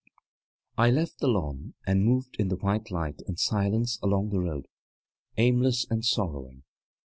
I left the lawn and moved in the white light and silence along the road, aimless and sorrowing.